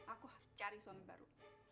aku cari suami baru